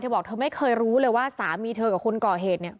บอกเธอไม่เคยรู้เลยว่าสามีเธอกับคนก่อเหตุเนี่ย